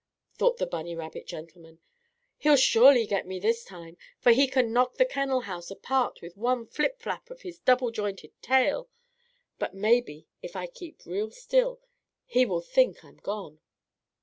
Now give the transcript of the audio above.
thought the bunny rabbit gentleman. "He'll surely get me this time, for he can knock the kennel house apart with one flip flap of his double jointed tail. But maybe, if I keep real still, he will think I'm gone."